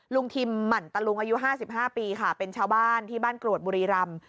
ทิมหมั่นตะลุงอายุ๕๕ปีค่ะเป็นชาวบ้านที่บ้านกรวดบุรีรำ